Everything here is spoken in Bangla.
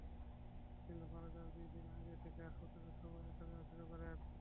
কিন্তু মারা যাওয়ার দুই দিন আগে থেকে হাসপাতালে সবাই আসা-যাওয়া শুরু করেন।